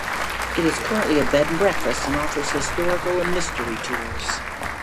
It is currently a bed and breakfast, and offers historical and mystery tours.